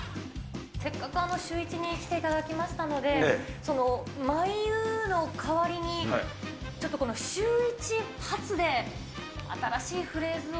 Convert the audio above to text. せっかくシューイチに来ていただきましたので、まいうーの代わりに、ちょっとこのシューイチ発で新しいフレーズを。